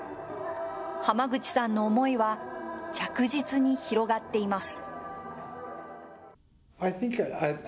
ハマグチさんの思いは、着実に広がっています。